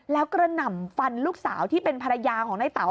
แล้วกระหน่ำฟันลูกสาวที่เป็นภรรยาของในเต๋า